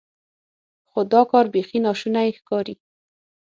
خو دا کار بیخي ناشونی ښکاري.